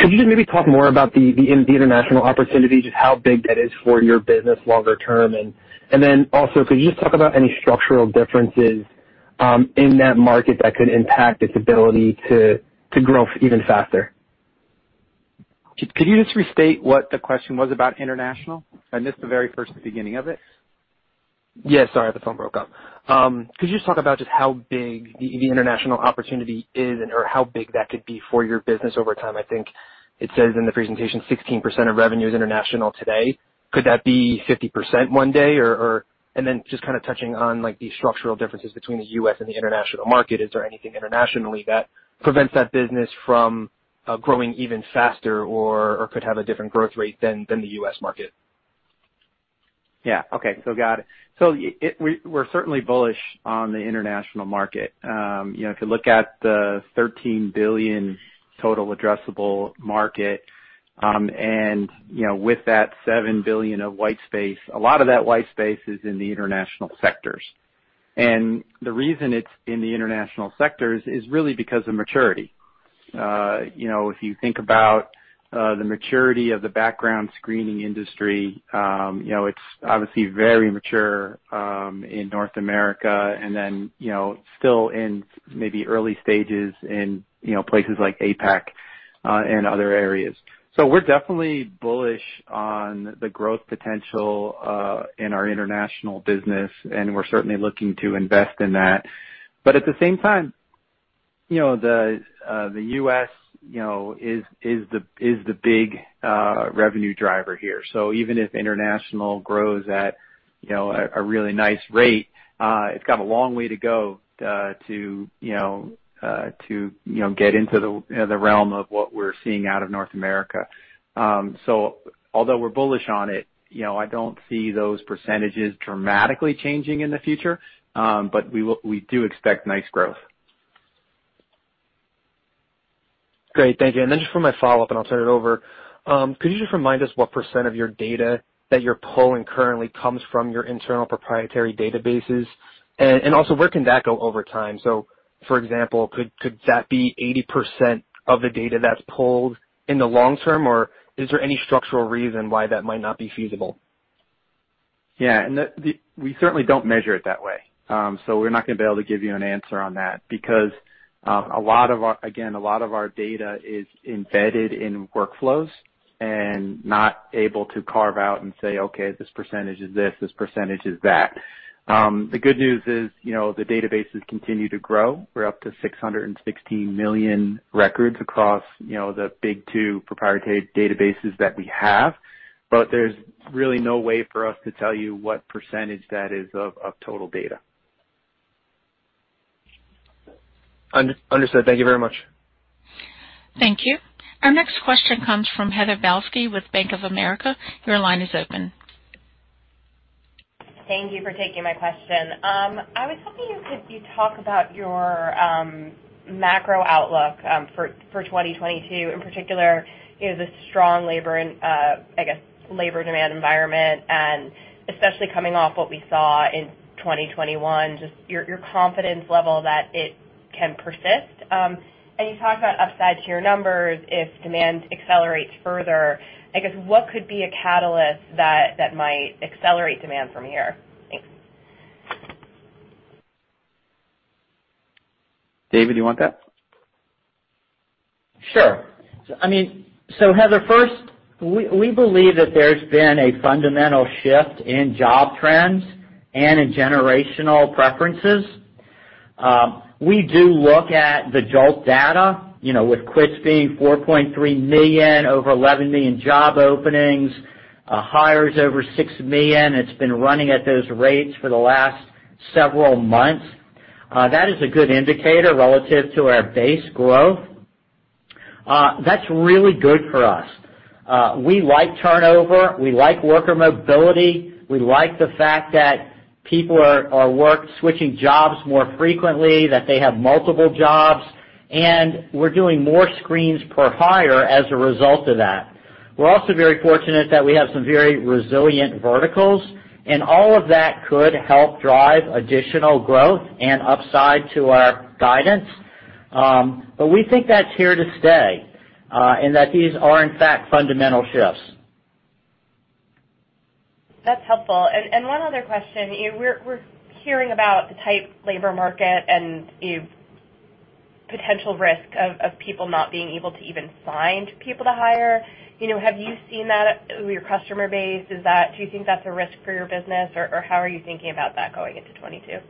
Could you just maybe talk more about the international opportunity, just how big that is for your business longer term? And then also, could you just talk about any structural differences in that market that could impact its ability to grow even faster? Could you just restate what the question was about international? I missed the very first beginning of it. Yeah, sorry. The phone broke up. Could you just talk about just how big the international opportunity is and/or how big that could be for your business over time? I think it says in the presentation 16% of revenue is international today. Could that be 50% one day? Or, and then just kind of touching on, like, the structural differences between the U.S. and the international market. Is there anything internationally that prevents that business from growing even faster or could have a different growth rate than the U.S. market? We're certainly bullish on the international market. You know, if you look at the $13 billion total addressable market, and, you know, with that $7 billion of white space, a lot of that white space is in the international sectors. The reason it's in the international sectors is really because of maturity. You know, if you think about the maturity of the background screening industry, you know, it's obviously very mature in North America and then, you know, still in maybe early stages in, you know, places like APAC and other areas. We're definitely bullish on the growth potential in our international business, and we're certainly looking to invest in that. At the same time, you know, the U.S., you know, is the big revenue driver here. Even if international grows at, you know, a really nice rate, it's got a long way to go to you know get into you know the realm of what we're seeing out of North America. Although we're bullish on it, you know, I don't see those percentages dramatically changing in the future. We do expect nice growth. Great. Thank you. Just for my follow-up, I'll turn it over. Could you just remind us what percent of your data that you're pulling currently comes from your internal proprietary databases? Also, where can that go over time? For example, could that be 80% of the data that's pulled in the long term, or is there any structural reason why that might not be feasible? We certainly don't measure it that way. We're not gonna be able to give you an answer on that because a lot of our data is embedded in workflows and not able to carve out and say, "Okay, this percentage is this percentage is that." The good news is, you know, the databases continue to grow. We're up to 616 million records across, you know, the big two proprietary databases that we have, but there's really no way for us to tell you what percentage that is of total data. Understood. Thank you very much. Thank you. Our next question comes from Heather Balsky with Bank of America. Your line is open. Thank you for taking my question. I was hoping you could talk about your macro outlook for 2022 in particular, you know, the strong labor and I guess labor demand environment, and especially coming off what we saw in 2021, just your confidence level that it can persist. You talked about upside to your numbers if demand accelerates further. I guess, what could be a catalyst that might accelerate demand from here? Thanks. David, you want that? Sure. I mean, Heather, first, we believe that there's been a fundamental shift in job trends and in generational preferences. We do look at the JOLTS data, you know, with quits being 4.3 million, over 11 million job openings, hires over 6 million. It's been running at those rates for the last several months. That is a good indicator relative to our base growth. That's really good for us. We like turnover. We like worker mobility. We like the fact that people are switching jobs more frequently, that they have multiple jobs, and we're doing more screens per hire as a result of that. We're also very fortunate that we have some very resilient verticals, and all of that could help drive additional growth and upside to our guidance. We think that's here to stay, and that these are in fact fundamental shifts. That's helpful. One other question, you know, we're hearing about the tight labor market and the potential risk of people not being able to even find people to hire. You know, have you seen that with your customer base? Is that a risk for your business or how are you thinking about that going into 2022?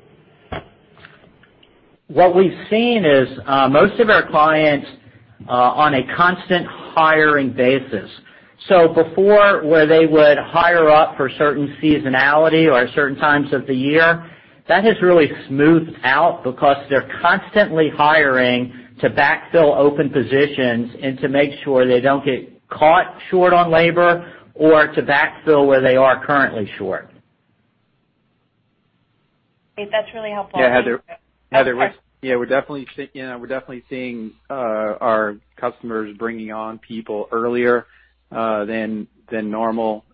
What we've seen is most of our clients on a constant hiring basis. Before where they would hire up for certain seasonality or certain times of the year, that has really smoothed out because they're constantly hiring to backfill open positions and to make sure they don't get caught short on labor or to backfill where they are currently short. That's really helpful. Yeah. Heather Sorry. Heather, we're definitely seeing our customers bringing on people earlier than normal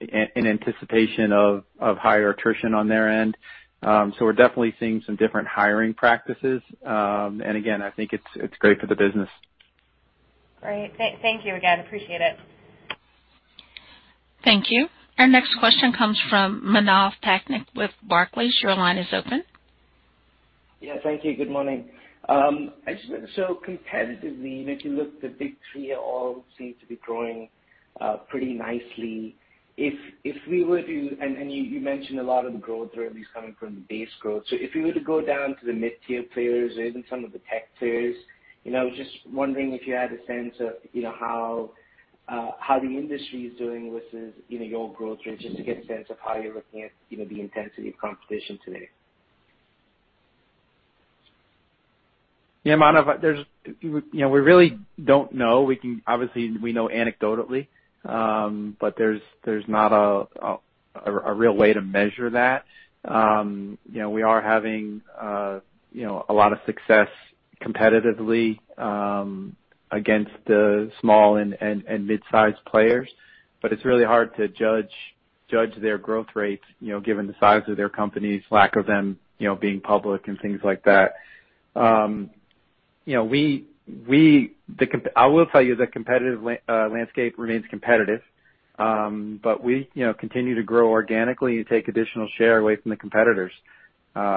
in anticipation of higher attrition on their end. We're definitely seeing some different hiring practices. Again, I think it's great for the business. Great. Thank you again. Appreciate it. Thank you. Our next question comes from Manav Patnaik with Barclays. Your line is open. Yeah. Thank you. Good morning. Competitively, if you look, the big three all seem to be growing pretty nicely. You mentioned a lot of the growth rate is coming from the base growth. If we were to go down to the mid-tier players and some of the tech players, you know, I was just wondering if you had a sense of, you know, how the industry is doing versus, you know, your growth rate, just to get a sense of how you are looking at, you know, the intensity of competition today. Yeah, Manav, you know, we really don't know. We can obviously, we know anecdotally, but there's not a real way to measure that. You know, we are having you know, a lot of success competitively against the small and mid-sized players. But it's really hard to judge their growth rates, you know, given the size of their companies, lack of them you know, being public and things like that. You know, I will tell you the competitive landscape remains competitive. But we you know, continue to grow organically and take additional share away from the competitors.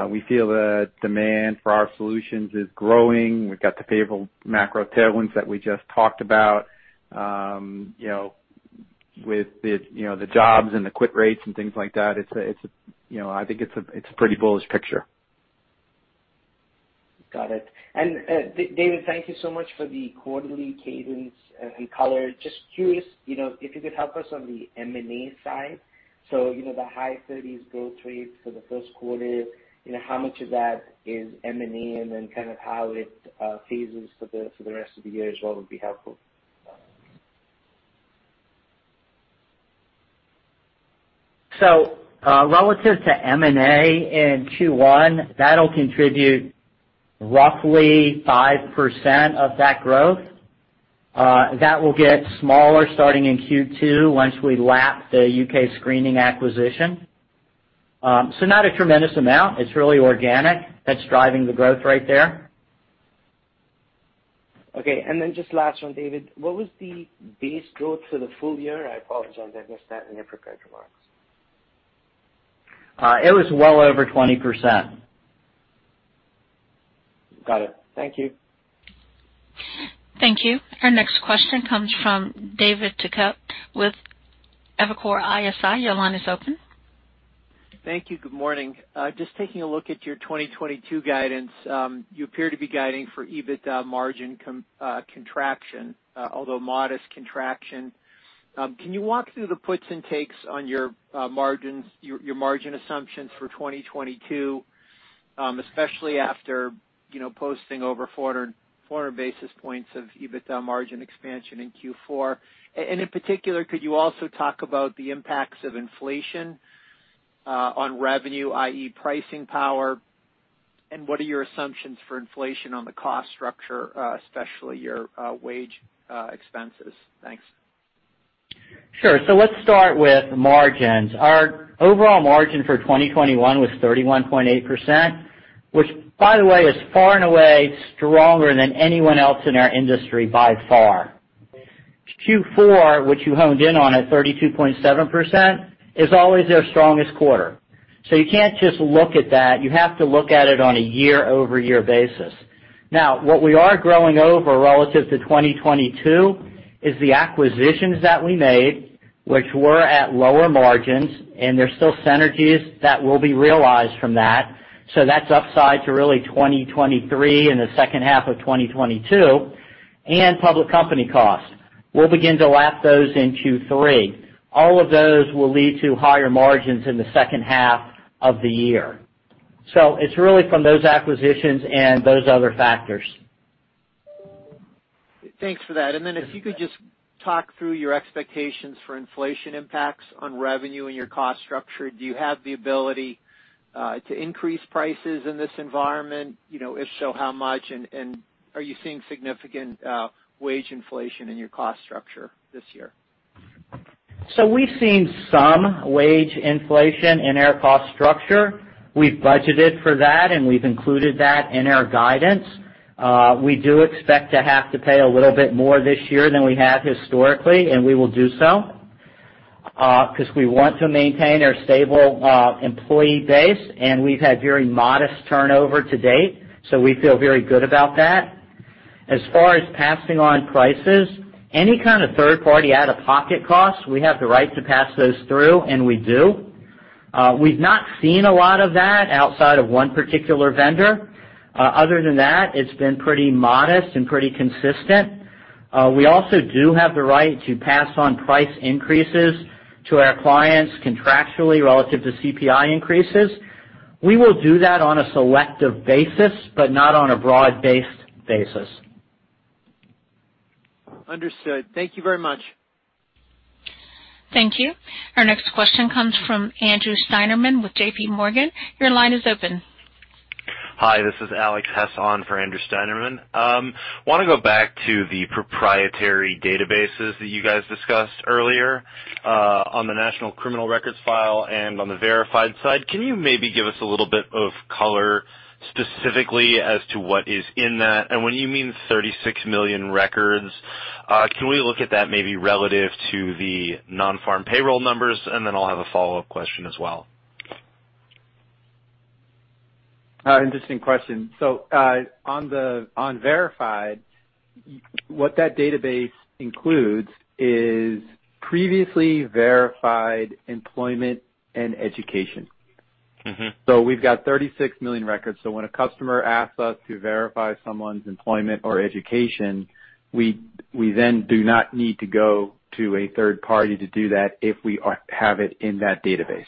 We feel the demand for our solutions is growing. We've got the favorable macro tailwinds that we just talked about, you know, with the, you know, the jobs and the quit rates and things like that. You know, I think it's a pretty bullish picture. Got it. David, thank you so much for the quarterly cadence and color. Just curious, you know, if you could help us on the M&A side. You know, the high thirties growth rates for the first quarter, you know, how much of that is M&A and then kind of how it phases for the rest of the year as well would be helpful. Relative to M&A in Q1, that'll contribute roughly 5% of that growth. That will get smaller starting in Q2 once we lap the U.K. screening acquisition. Not a tremendous amount. It's really organic that's driving the growth right there. Okay, just last one, David. What was the base growth for the full year? I apologize, I missed that in your prepared remarks. It was well over 20%. Got it. Thank you. Thank you. Our next question comes from David Togut with Evercore ISI. Your line is open. Thank you. Good morning. Just taking a look at your 2022 guidance, you appear to be guiding for EBITDA margin contraction, although modest contraction. Can you walk through the puts and takes on your margins, your margin assumptions for 2022, especially after, you know, posting over 400 basis points of EBITDA margin expansion in Q4? And in particular, could you also talk about the impacts of inflation on revenue, i.e., pricing power, and what are your assumptions for inflation on the cost structure, especially your wage expenses? Thanks. Sure. Let's start with margins. Our overall margin for 2021 was 31.8%, which by the way is far and away stronger than anyone else in our industry by far. Q4, which you honed in on at 32.7%, is always our strongest quarter. You can't just look at that. You have to look at it on a year-over-year basis. Now, what we are growing over relative to 2022 is the acquisitions that we made, which were at lower margins, and there's still synergies that will be realized from that. That's upside to really 2023 and the second half of 2022, and public company costs. We'll begin to lap those in Q3. All of those will lead to higher margins in the second half of the year. It's really from those acquisitions and those other factors. Thanks for that. If you could just talk through your expectations for inflation impacts on revenue and your cost structure. Do you have the ability to increase prices in this environment? You know, if so, how much? Are you seeing significant wage inflation in your cost structure this year? We've seen some wage inflation in our cost structure. We've budgeted for that, and we've included that in our guidance. We do expect to have to pay a little bit more this year than we have historically, and we will do so, 'cause we want to maintain our stable employee base, and we've had very modest turnover to date, so we feel very good about that. As far as passing on prices, any kind of third-party out-of-pocket costs, we have the right to pass those through, and we do. We've not seen a lot of that outside of one particular vendor. Other than that, it's been pretty modest and pretty consistent. We also do have the right to pass on price increases to our clients contractually relative to CPI increases. We will do that on a selective basis, but not on a broad-based basis. Understood. Thank you very much. Thank you. Our next question comes from Andrew Steinerman with J.P. Morgan. Your line is open. Hi, this is Alex Hess on for Andrew Steinerman. Wanna go back to the proprietary databases that you guys discussed earlier, on the National Criminal File and on the Verified! side. Can you maybe give us a little bit of color specifically as to what is in that? When you mean 36 million records, can we look at that maybe relative to the non-farm payroll numbers? Then I'll have a follow-up question as well. Interesting question. On Verified, what that database includes is previously verified employment and education. Mm-hmm. We've got 36 million records. When a customer asks us to verify someone's employment or education, we then do not need to go to a third party to do that if we have it in that database.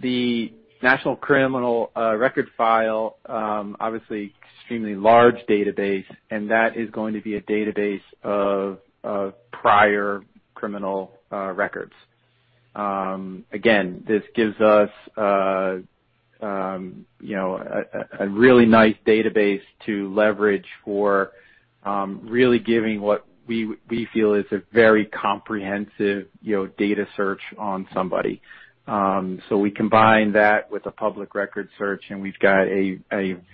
The National Criminal File, obviously extremely large database, and that is going to be a database of prior criminal records. Again, this gives us a really nice database to leverage for really giving what we feel is a very comprehensive, you know, data search on somebody. We combine that with a public record search, and we've got a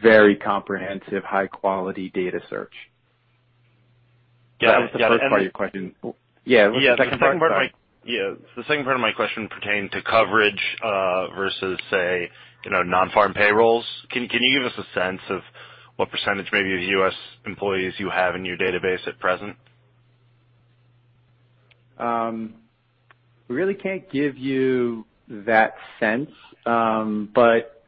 very comprehensive high quality data search. Got it. Yeah, That was the first part of your question. Yeah. What's the second part? The second part of my question pertained to coverage, versus say, you know, non-farm payrolls. Can you give us a sense of what percentage maybe of U.S. employees you have in your database at present? We really can't give you that sense.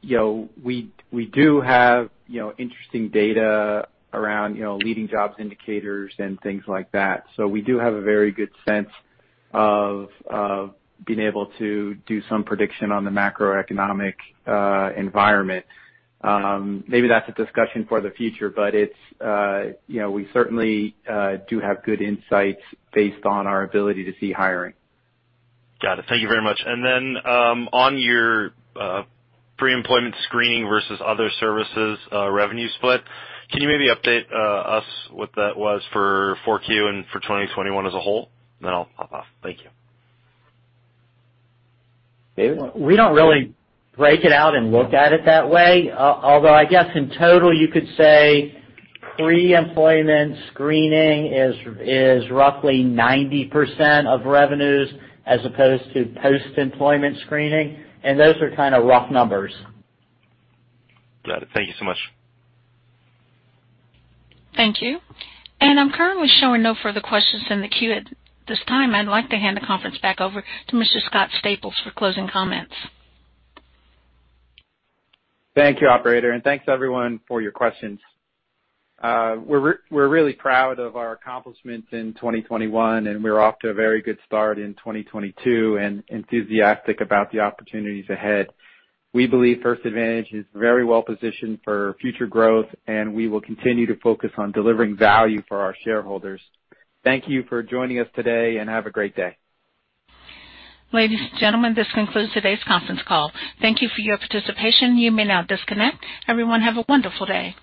You know, we do have interesting data around leading jobs indicators and things like that. We do have a very good sense of being able to do some prediction on the macroeconomic environment. Maybe that's a discussion for the future, but it's you know, we certainly do have good insights based on our ability to see hiring. Got it. Thank you very much. On your pre-employment screening versus other services revenue split, can you maybe update us what that was for Q4 and for 2021 as a whole? I'll hop off. Thank you. David? We don't really break it out and look at it that way, although I guess in total you could say pre-employment screening is roughly 90% of revenues as opposed to post-employment screening, and those are kind of rough numbers. Got it. Thank you so much. Thank you. I'm currently showing no further questions in the queue at this time. I'd like to hand the conference back over to Mr. Scott Staples for closing comments. Thank you, operator, and thanks everyone for your questions. We're really proud of our accomplishments in 2021, and we're off to a very good start in 2022 and enthusiastic about the opportunities ahead. We believe First Advantage is very well positioned for future growth, and we will continue to focus on delivering value for our shareholders. Thank you for joining us today, and have a great day. Ladies and gentlemen, this concludes today's conference call. Thank you for your participation. You may now disconnect. Everyone, have a wonderful day.